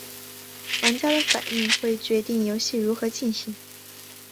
玩家的反应会决定游戏如何进行。